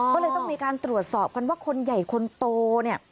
ก็เลยต้องมีการตรวจสอบกันว่าคนใหญ่คนโตเนี่ย